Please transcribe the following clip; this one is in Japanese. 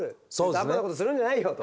半端なことするんじゃないよと。